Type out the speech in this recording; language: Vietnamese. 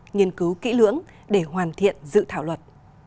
nghiên cứu kỹ lưỡng để hoàn thiện dự thảo luật